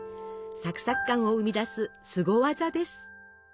サクサク感を生み出すすご技です。